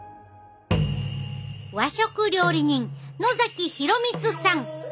和食料理人野洋光さん。